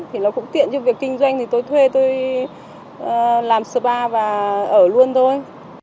thì nó cũng tiện cho việc kinh doanh thì tôi thuê tôi làm spa và ở luôn thôi